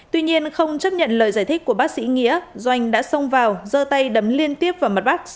tuy nhiên không chấp nhận lời giải thích của bác sĩ nghĩa doanh đã xông vào dơ tay đấm liên tiếp vào mặt bác